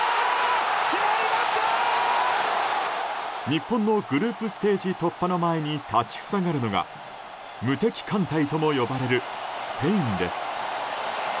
日本のグループリーグ突破の前に立ち塞がるのが無敵艦隊とも呼ばれるスペインです。